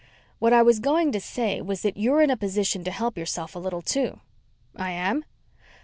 What I was going to say was that you're in a position to help yourself a little, too." "I am?"